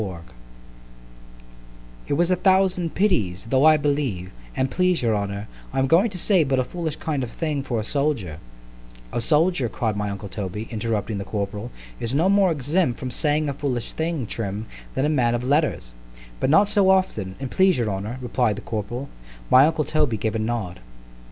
XLIII IT was a thousand pities——though I believe, an' please your honour, I am going to say but a foolish kind of a thing for a soldier—— A soldier, cried my uncle Toby, interrupting the corporal, is no more exempt from saying a foolish thing, Trim, than a man of letters——But not so often, an' please your honour, replied the corporal——my uncle Toby gave a nod.